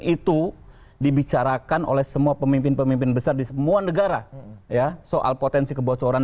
itu dibicarakan oleh semua pemimpin pemimpin besar di semua negara ya soal potensi kebocoran